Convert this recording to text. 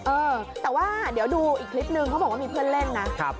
เออแต่ว่าเดี๋ยวดูอีกคลิปนึงเขาบอกว่ามีเพื่อนเล่นนะ